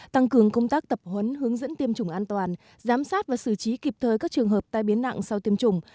tăng cường công tác tập huấn hướng dẫn tiêm chủng an toàn giám sát và xử trí kịp thời các trường hợp tai biến nặng sau tiêm chủng